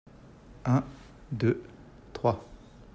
Un, deux, trois.